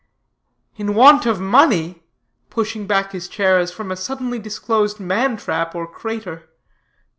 "In want of money!" pushing back his chair as from a suddenly disclosed man trap or crater.